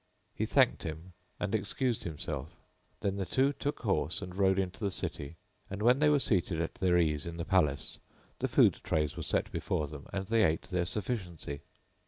He thanked him and excused himself; then the two took horse and rode into the city and, when they were seated at their ease in the palace, the food trays were set before them and they ate their sufficiency.